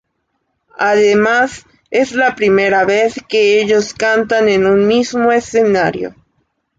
Además, es la primera vez que ellos cantan en un mismo escenario.